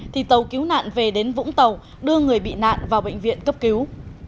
thì tàu cứu nạn về đến vũng tàu đưa người bị nạn vào bệnh viện cấp cứu